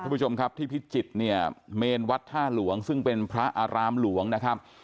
ผู้ชมครับที่พิจิตรเนี่ยเมนวัดท่าหลวงซึ่งเป็นพระอารามหลวงนะครับ